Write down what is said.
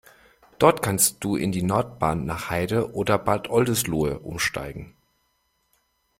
Dort kannst du in die Nordbahn nach Heide oder Bad Oldesloe umsteigen.